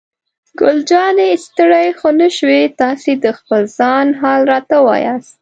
ګل جانې: ستړی خو نه شوې؟ تاسې د خپل ځان حال راته ووایاست.